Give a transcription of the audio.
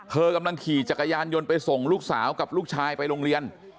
กำลังขี่จักรยานยนต์ไปส่งลูกสาวกับลูกชายไปโรงเรียน